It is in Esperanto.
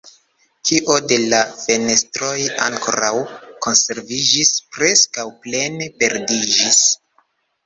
Kio de la fenestroj ankoraŭ konserviĝis, preskaŭ plene perdiĝis.